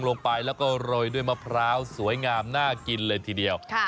ลงไปแล้วก็โรยด้วยมะพร้าวสวยงามน่ากินเลยทีเดียว